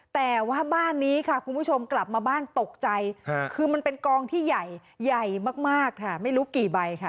แต่ว่าบ้านนี้ค่ะคุณผู้ชมกลับมาบ้านตกใจคือมันเป็นกองที่ใหญ่ใหญ่มากค่ะไม่รู้กี่ใบค่ะ